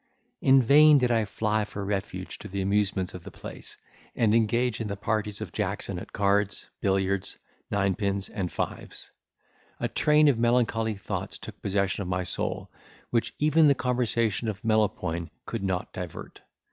In vain did I fly for refuge to the amusements of the place, and engage in the parties of Jackson at cards, billiards, nine pins, and fives; a train of melancholy thoughts took possession of my soul, which even the conversation of Melopoyn could not divert.